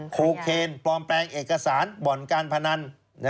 โคเคนปลอมแปลงเอกสารบ่อนการพนัน